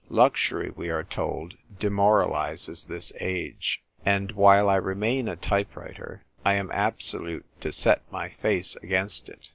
Luxury, we are told, demoralises this age, and (while I remain a type writer) I am ab solute to set my face against it.